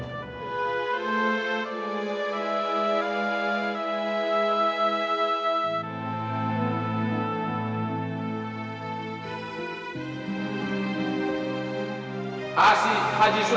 aku pernah dengar